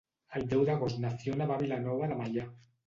El deu d'agost na Fiona va a Vilanova de Meià.